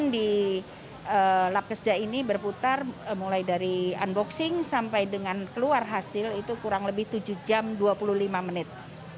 di lab keseda ini berputar mulai dari unboxing sampai dengan keluar hasil itu kurang lebih tujuh jam dua puluh lima menit